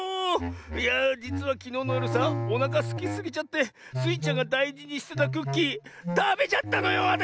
いやあじつはきのうのよるさおなかすきすぎちゃってスイちゃんがだいじにしてたクッキーたべちゃったのよわたし！